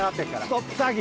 ストップ詐欺！